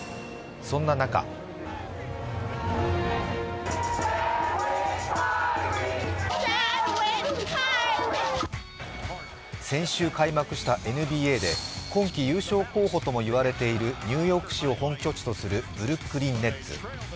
そんな中先週開幕したＮＢＡで今季優勝候補ともいわれているニューヨーク市を本拠地とするブルックリン・ネッツ。